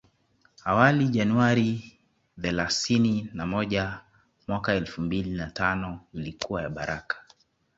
Awali Januari thelasini na moja mwaka elfu mbili na tano ilikuwa ya baraka